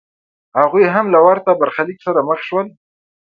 هغوی هم له ورته برخلیک سره مخ شول.